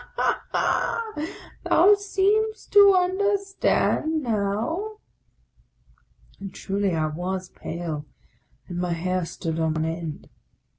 ha ! thou seem'st to understand now !" And truly I was pale, and my hair stood on end.